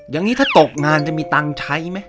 อย่างนี้ถ้าตกงานจะมีตังค์ใช้ไหม